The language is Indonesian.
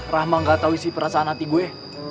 rahma gak tau isi perasaan hati gue